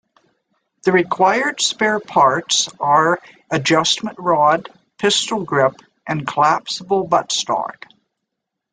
The required spare parts are: adjustment rod, pistol grip and collapsible butt-stock.